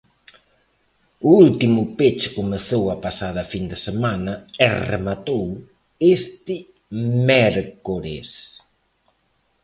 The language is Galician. O último peche comezou a pasada fin de semana e rematou este mércores.